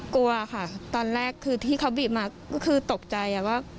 กลัวค่ะตอนแรกคือที่เขาบีบมาก็คือตกใจว่า